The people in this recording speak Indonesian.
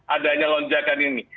adanya lonjakan ini